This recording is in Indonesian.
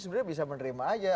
sebenarnya bisa menerima aja